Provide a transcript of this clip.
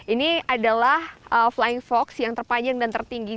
ini adalah flying fox yang terpanjang dan tertinggi